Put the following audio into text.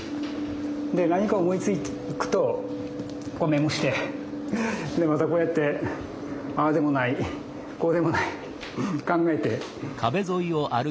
何か思いつくとメモしてまたこうやってああでもないこうでもない考えて。